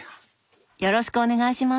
よろしくお願いします。